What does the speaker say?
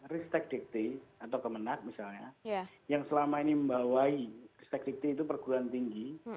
risk tag dignity atau kemenat misalnya yang selama ini membawai risk tag dignity itu perguruan tinggi